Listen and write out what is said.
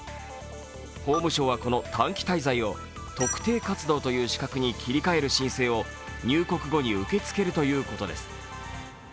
法務省はこの短期滞在を特定活動という資格に切り替える申請を入国後に受け付けるということです。